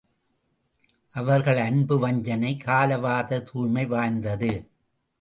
அவர்கள் அன்பு வஞ்சனை கலவாத தூய்மை வாய்ந்தது.